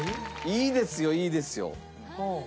いいですよいいですよ。